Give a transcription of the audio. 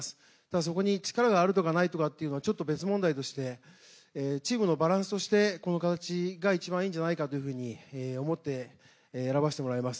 そこに力があるとかないとかはちょっと別問題でしてチームのバランスとして、この形が一番いいんじゃないかと思って選ばせてもらいます。